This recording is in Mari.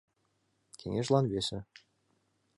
Кеҥежлан — весе!